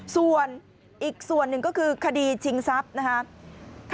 ส่วนอีกส่วนหนึ่งก็คือคดีชิงทรัพย์นะครับ